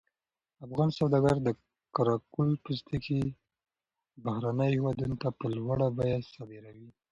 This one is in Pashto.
افغان سوداګر د قره قل پوستکي بهرنیو هېوادونو ته په لوړه بیه صادروي.